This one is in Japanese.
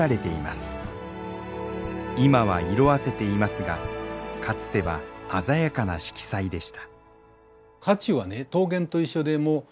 今は色あせていますがかつては鮮やかな色彩でした兜。